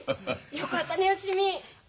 よかったね芳美！